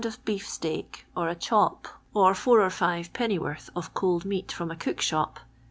of beef steak, or a chop, or four or five pennyworth of cold meat from a cook shop